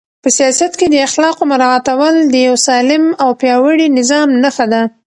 په سیاست کې د اخلاقو مراعاتول د یو سالم او پیاوړي نظام نښه ده.